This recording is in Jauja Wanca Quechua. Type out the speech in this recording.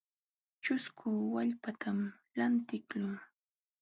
Ćhusku wallpatam lantiqluu.